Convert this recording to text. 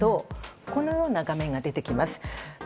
このような画面が出てきます。